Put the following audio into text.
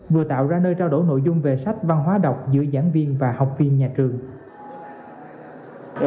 vừa tạo ra nơi trao đổi nội dung về sách văn hóa đọc giữa giảng viên và học viên nhà trường